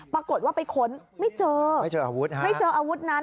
ปรากฏว่าไปค้นไม่เจอไม่เจออาวุธนั้น